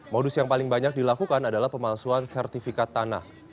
modus yang paling banyak dilakukan adalah pemalsuan sertifikat tanah